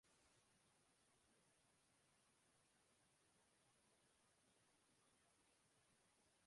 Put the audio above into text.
En cuanto a temperatura, no tolera las heladas ni el frío.